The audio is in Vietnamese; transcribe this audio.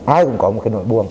ai cũng có một cái nỗi buồn